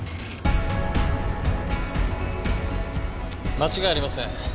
間違いありません。